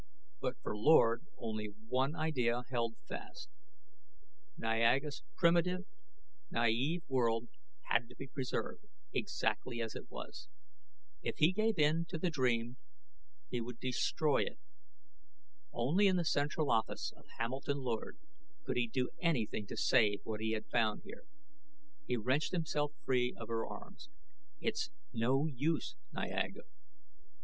But for Lord only one idea held fast. Niaga's primitive, naive world had to be preserved exactly as it was. If he gave in to the dream, he would destroy it. Only in the central office of Hamilton Lord could he do anything to save what he had found here. He wrenched himself free of her arms. "It's no use, Niaga."